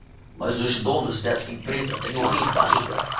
Mas os donos dessa empresa têm o rei na barriga